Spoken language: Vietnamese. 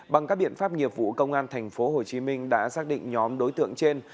bằng các biện pháp nhiệm vụ công an thành phố hồ chí minh đã xác định nhóm đối tượng trên